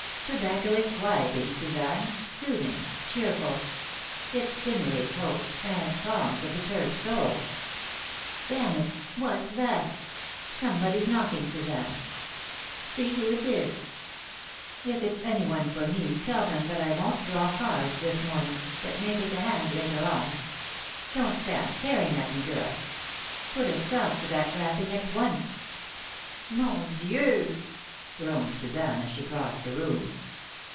"Tobacco is quieting, Suzanne; soothing, cheerful. It stimulates hope and calms the perturbed soul. Damn it! what's that? Somebody's knocking, Suzanne. See who it is. If it's anyone for me, tell them that I won't draw cards this morning, but may take a hand later on. Don't stand staring at me, girl! Put a stop to that rapping at once." "Mon Dieu!" groaned Suzanne, as she crossed the room.